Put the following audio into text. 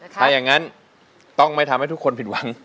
ถ้าอย่างนั้นต้องไม่ทำให้ทุกคนผิดหวัง